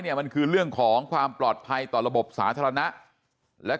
เนี่ยมันคือเรื่องของความปลอดภัยต่อระบบสาธารณะและ